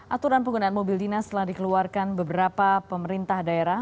aturan penggunaan mobil dinas telah dikeluarkan beberapa pemerintah daerah